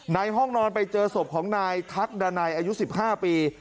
ในห้องนอนไปเจอศพของนายทักดาไนอายุสิบห้าปี